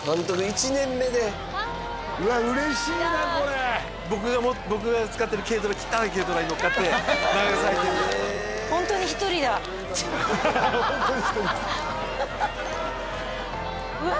１年目でうわ嬉しいなこれ僕が使ってる軽トラ汚い軽トラに乗っかってホントに１人だホントに１人ですうわ！